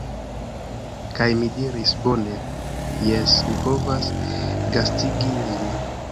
Kaj mi diris: "Bone. Jes, mi povas gastigi lin."